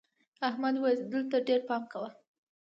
احمد وويل: دلته ډېر پام کوه.